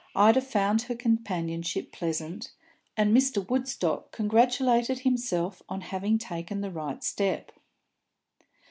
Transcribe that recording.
Ida found her companionship pleasant, and Mr. Woodstock congratulated himself on having taken the right step.